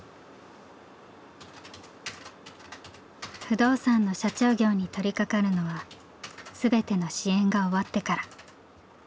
不動産の社長業に取りかかるのは全ての支援が終わってから。